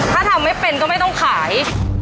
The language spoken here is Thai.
ถ้าทำไม่เป็นก็ไม่ต้องขาย